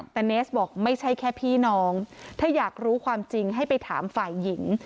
แต่เนสบอกไม่ใช่แค่พี่น้องถ้าอยากรู้ความจริงให้ไปถามฝ่ายหญิง